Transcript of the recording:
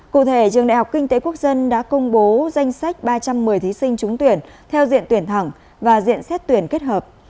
cụ thể trường đại học kinh tế quốc dân đã công bố danh sách ba trăm một mươi thí sinh trúng tuyển theo diện tuyển thẳng và diện xét tuyển kết hợp